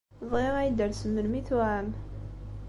Bɣiɣ ad iyi-d-talsem melmi tuɛam.